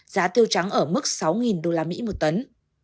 giá tiêu trắng ở mức sáu đô la mỹ một tấn